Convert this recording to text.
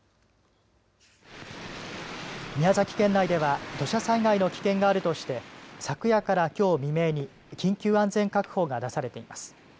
宮崎県内では土砂災害の危険があるとして昨夜からきょう未明に緊急安全確保が出されています。